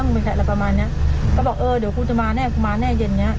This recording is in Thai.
ไม่ใช่อะไรประมาณเนี้ยก็บอกเออเดี๋ยวกูจะมาแน่กูมาแน่เย็นเนี้ย